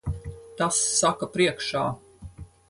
Tas saka priekšā.